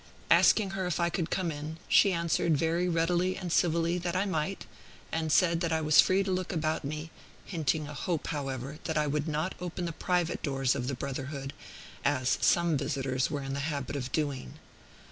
Asking her if I could come in, she answered very readily and civilly that I might, and said that I was free to look about me, hinting a hope, however, that I would not open the private doors of the brotherhood, as some visitors were in the habit of doing.